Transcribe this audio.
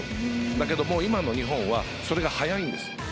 だけど、今の日本はそれが早いんです。